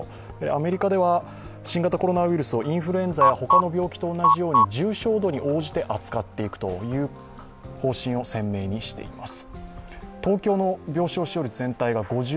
アメリカでは、新型コロナウイルスをインフルエンザや他の病気と同じように、重症度に応じて扱っていくという方針を鮮明にしています。